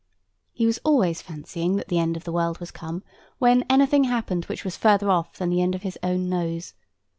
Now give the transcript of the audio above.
He was always fancying that the end of the world was come, when anything happened which was farther off than the end of his own nose.